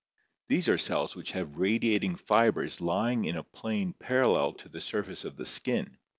These are cells which have radiating fibers lying in a plane parallel to the surface of the skin.